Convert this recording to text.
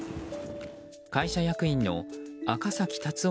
会社役員の赤崎達臣